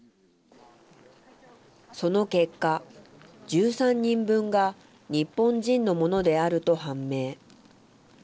その結果、１３人分が日本人のものであると判明。